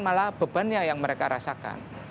malah bebannya yang mereka rasakan